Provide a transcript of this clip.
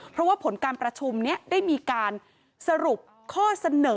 เพราะว่าผลการประชุมนี้ได้มีการสรุปข้อเสนอ